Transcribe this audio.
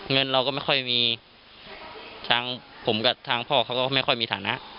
เงินเราก็ไม่ค่อยมีทางผมกับทางพ่อเขาก็ไม่ค่อยมีฐานะ